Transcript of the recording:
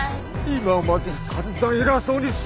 今まで散々偉そうにしやがって！